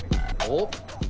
おっ。